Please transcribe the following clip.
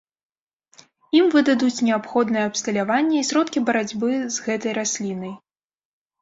Ім выдадуць неабходнае абсталяванне і сродкі барацьбы з гэтай раслінай.